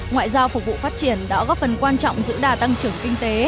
ngoại giao phục vụ phát triển đã góp phần quan trọng giữ đà tăng trưởng kinh tế